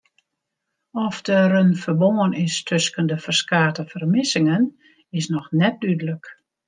Oft der in ferbân is tusken de ferskate fermissingen is noch net dúdlik.